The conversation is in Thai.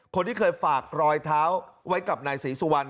คนที่เคยฝากรอยเท้าไว้กับนายศรีสุวรรณ